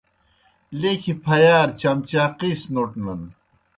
لیکھیْ پھیارہ چمچاقِیس نوٹنَن۔